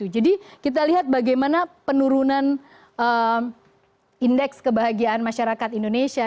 jadi kita lihat bagaimana penurunan indeks kebahagiaan masyarakat indonesia